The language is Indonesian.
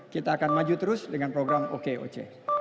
kita akan maju terus dengan program okoc